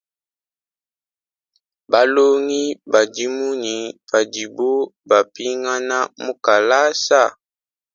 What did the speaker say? Balongi badi munyi padibo bapingana mu kalasa?